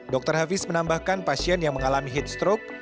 dr hafiz menambahkan pasien yang mengalami heat stroke